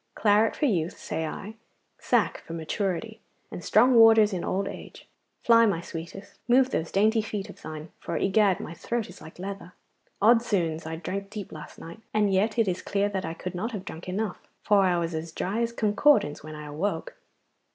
Claret for youth, say I, sack for maturity, and strong waters in old age. Fly, my sweetest, move those dainty feet of thine, for egad! my throat is like leather. Od's 'oons, I drank deep last night, and yet it is clear that I could not have drunk enough, for I was as dry as a concordance when I awoke.